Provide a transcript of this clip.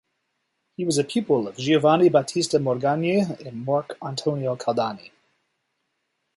He was a pupil of Giovanni Battista Morgagni and Marc Antonio Caldani.